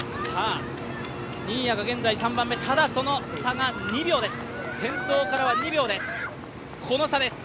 新谷が現在３番目、ただその差が先頭から２秒です。